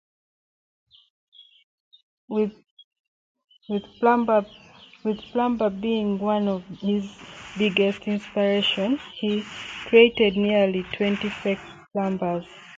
With Palmer being one of his biggest inspirations, he created nearly twenty fake Palmer's.